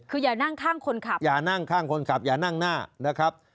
คืออย่านั่งข้างคนขับอย่านั่งข้างคนขับอย่านั่งหน้านะครับ